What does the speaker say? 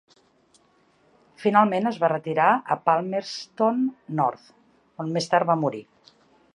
Finalment es va retirar a Palmerston North, on més tard va morir.